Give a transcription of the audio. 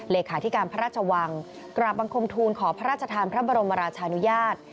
เลขาธิการพระราชวังกราบบังคมทูลขอพระราชทานพระบรมราชานุญาต